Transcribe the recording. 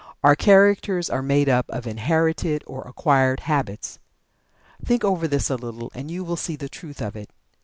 Our characters are made up of inherited or acquired habits. Think over this a little and you will see the truth of it.